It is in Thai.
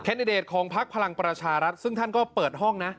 ดิเดตของพักพลังประชารัฐซึ่งท่านก็เปิดห้องนะ